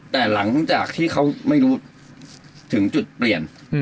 แต่หลังจากที่เขาไม่รู้ถึงจุดเปลี่ยน